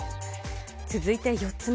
続いて４つ目。